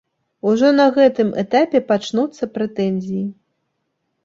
Ужо на гэтым этапе пачнуцца прэтэнзіі.